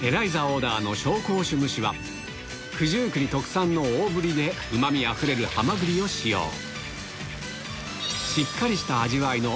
オーダーの紹興酒蒸しは九十九里特産の大ぶりでうま味あふれるハマグリを使用しっかりした味わいの